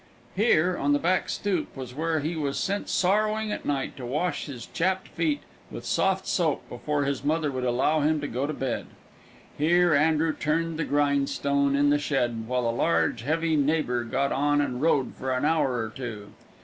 Here, on the back stoop, was where he was sent sorrowing at night to wash his chapped feet with soft soap before his mother would allow him to go to bed. Here Andrew turned the grindstone in the shed, while a large, heavy neighbor got on and rode for an hour or two.